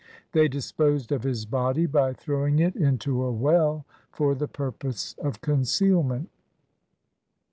They disposed of his body by throwing it into a well for the purpose of concealment.